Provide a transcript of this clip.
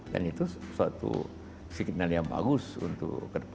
dan itu satu signal yang bagus untuk rendah kajian kita